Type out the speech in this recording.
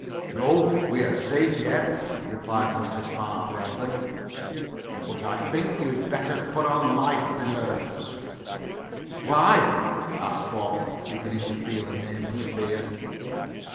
"No, we are safe yet," replied Mr. Spark gravely. "But I think you had better put on life preservers." "Why?" asked Bob, beginning to feel a nameless fear.